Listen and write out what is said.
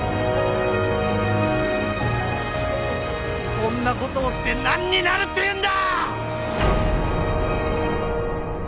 こんなことをして何になるっていうんだ！